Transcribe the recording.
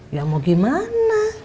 ya mau gimana